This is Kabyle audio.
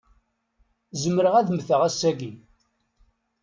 Zemreɣ ad mmteɣ ass-agi.